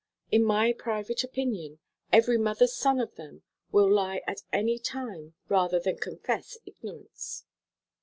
In my private opinion, every mother's son of them will lie at any time rather than confess ignorance.